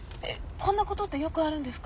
こんなことってよくあるんですか？